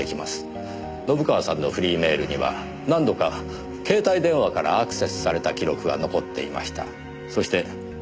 信川さんのフリーメールには何度か携帯電話からアクセスされた記録が残っていました。